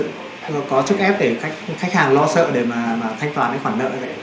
thứ bốn là có chức ép để khách hàng lo sợ để mà thanh toán